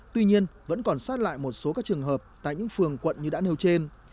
tuy nhiên vẫn còn sót lại một số các trường hợp tại những phường quận như đã nêu trên